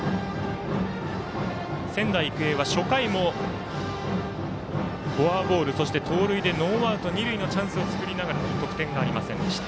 仙台育英は初回もフォアボール、そして盗塁でノーアウト、二塁のチャンスを作りながら得点がありませんでした。